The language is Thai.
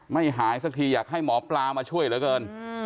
ไม่หายสักทีอยากให้หมอปลามาช่วยเหลือเกิน